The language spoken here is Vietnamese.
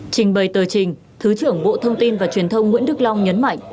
trình bày tờ trình thứ trưởng bộ thông tin và truyền thông nguyễn đức long nhấn mạnh